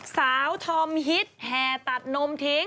สาวธอมฮิตแห่ตัดนมทิ้ง